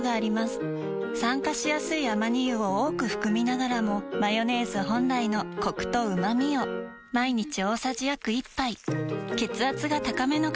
酸化しやすいアマニ油を多く含みながらもマヨネーズ本来のコクとうまみを毎日大さじ約１杯血圧が高めの方に機能性表示食品